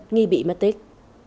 nghi bị mất tích